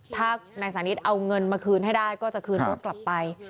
ถ้านายสานิทเอาเงินมาคืนให้ได้ก็จะคืนรถกลับไป